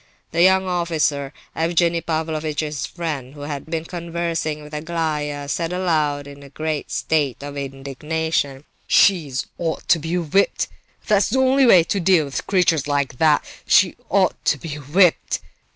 The young officer, Evgenie Pavlovitch's friend who had been conversing with Aglaya, said aloud in a great state of indignation: "She ought to be whipped—that's the only way to deal with creatures like that—she ought to be whipped!"